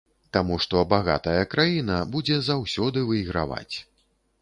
Таму што багатая краіна будзе заўсёды выйграваць.